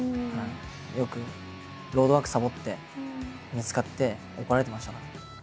よくロードワークサボって見つかって怒られてましたから。